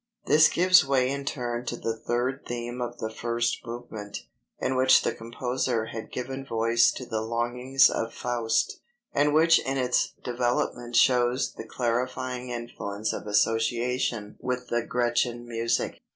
This gives way in turn to the third theme of the first movement, in which the composer had given voice to the longings of Faust, and which in its development shows the clarifying influence of association with the Gretchen music.